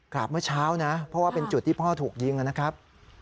เมื่อเช้านะเพราะว่าเป็นจุดที่พ่อถูกยิงนะครับ